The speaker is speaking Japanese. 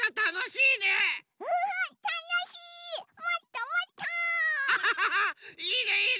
いいねいいね！